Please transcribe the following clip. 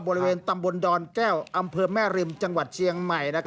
บริเวณตำบลดอนแก้วอำเภอแม่ริมจังหวัดเชียงใหม่